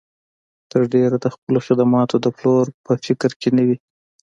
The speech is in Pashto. تر ډېره د خپلو خدماتو د پلور په فکر کې نه وي.